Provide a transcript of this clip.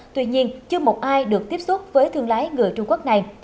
tuy nhiên chưa một ai được tiếp xúc với thương lái người trung quốc này